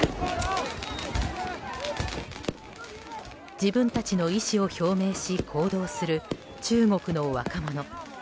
自分たちの意思を表明し行動する中国の若者。